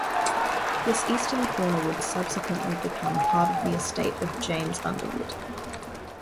This eastern corner would subsequently become part of the estate of James Underwood.